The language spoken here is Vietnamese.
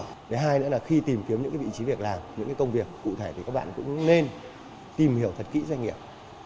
thứ hai nữa là khi tìm kiếm những vị trí việc làm những công việc cụ thể thì các bạn cũng nên tìm hiểu thật kỹ doanh nghiệp